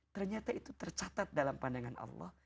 ternyata itu tercatat dalam pandangan allah